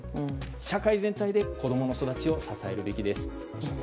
社会全体で子供の育ちを支えるべきですと。